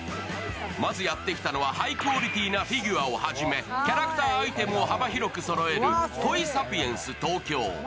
まずやってきたのは、ハイクオリティーなフィギュアをはじめキャラクターアイテムを幅広くそろえるトイサピエンス東京。